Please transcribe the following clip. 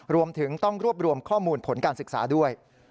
รวมถึงต้องรวบรวมข้อมูลผลการศึกษาด้วย